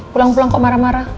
pulang pulang kok marah marah